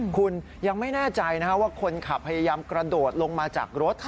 คุณยังไม่แน่ใจว่าคนขับพยายามกระโดดลงมาจากรถ